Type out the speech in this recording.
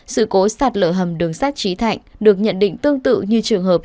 sự cố sạt lở hầm đường sắt trí thạnh được nhận định tương tự như trường hợp